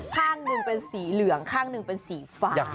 ข้างหนึ่งเป็นสีเหลืองข้างหนึ่งเป็นสีฟ้า